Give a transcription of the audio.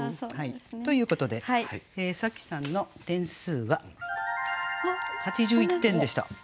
ということで紗季さんの点数は８１点でした。